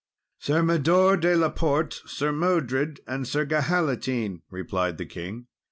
"Sir Mador de la Port, Sir Modred, and Sir Gahalatine," replied the king.